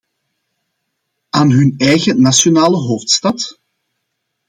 Aan hun eigen nationale hoofdstad?